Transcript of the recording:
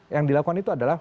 yang dilakukan itu adalah